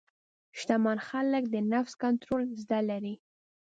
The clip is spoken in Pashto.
شتمن خلک د نفس کنټرول زده لري.